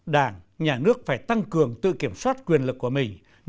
đảng nhà nước phải tăng cường tự kiểm soát quyền lực của mình